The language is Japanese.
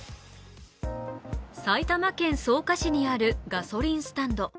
埼玉県草加市にあるガソリンスタンド。